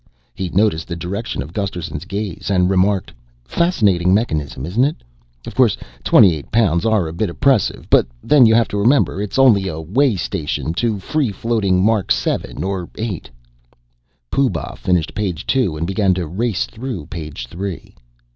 He noticed the direction of Gusterson's gaze and remarked, "Fascinating mechanism, isn't it? Of course 28 pounds are a bit oppressive, but then you have to remember it's only a way station to free floating Mark 7 or 8." Pooh Bah finished page two and began to race through page three.